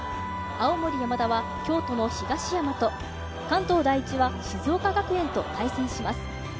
青森山田は京都の東山と関東第一は静岡学園と対戦します。